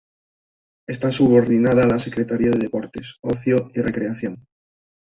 Está subordinada a la Secretaría de Deportes, Ocio y Recreación.